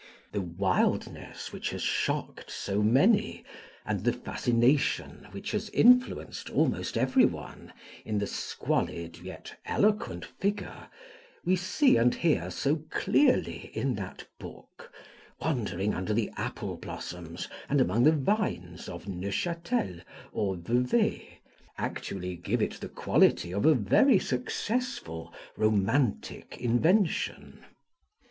The wildness which has shocked so many, and the fascination which has influenced almost every one, in the squalid, yet eloquent figure, we see and hear so clearly in that book, wandering under the apple blossoms and among the vines of Neuchâtel or Vevey actually give it the quality of a very successful romantic invention.